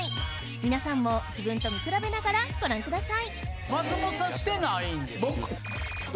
皆さんも自分と見比べながらご覧ください